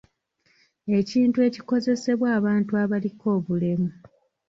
Ekintu ekikozesebwa abantu abaliko obulemu.